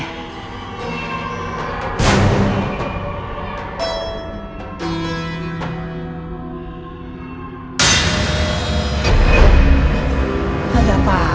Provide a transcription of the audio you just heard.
kenapa gue jadi merinding ya